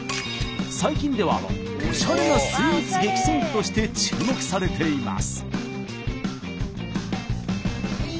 最近ではおしゃれなスイーツ激戦区として注目されています。